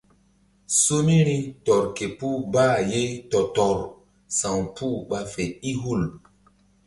Somiri tɔr ke puh bah ye tɔ-tɔrsa̧wkpuh ɓa fe i hul.